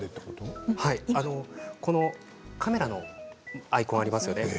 カメラのアイコンがありますよね。